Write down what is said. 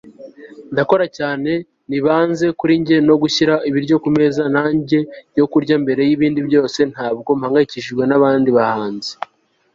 ndakora cyane. nibanze kuri njye no gushyira ibiryo kumeza yanjye yo kurya mbere y'ibindi byose. ntabwo mpangayikishijwe nabandi bahanzi